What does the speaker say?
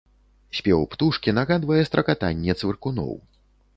Спеў птушкі нагадвае стракатанне цвыркуноў.